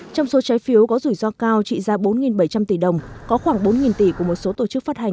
trong số trái phiếu có rủi ro cao trị giá bốn bảy trăm linh tỷ đồng có khoảng bốn tỷ của một số tổ chức phát hành